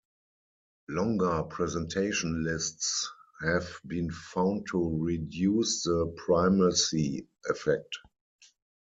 Longer presentation lists have been found to reduce the primacy effect.